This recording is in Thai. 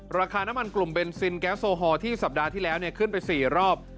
ราคาน้ำมันกลุ่มเบนซินแก๊สโซฮอลที่สัปดาห์ที่แล้วขึ้นไป๔รอบ